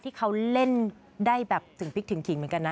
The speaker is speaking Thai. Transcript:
ที่เขาเล่นได้แบบถึงพลิกถึงขิงเหมือนกันนะ